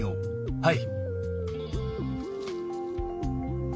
はい。